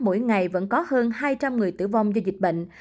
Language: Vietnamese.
mỗi ngày vẫn có hơn hai trăm linh người tử vong do dịch bệnh